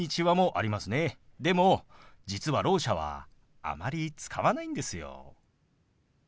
でも実はろう者はあまり使わないんですよ。